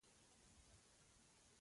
د وطن منورینو ته توفیق ورکړي.